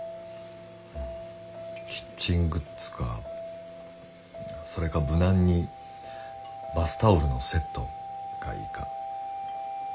キッチングッズかそれか無難にバスタオルのセットがいいか。